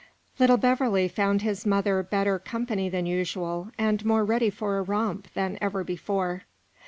Little Beverley found his mother better company than usual, and more ready for a romp than ever before.